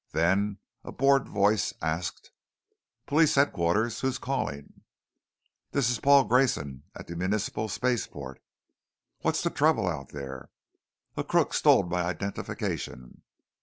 Then a bored voice asked: "Police headquarters, who's calling please." "This is Paul Grayson at the Municipal Spaceport." "What's the trouble out there?" "A crook stole my identification."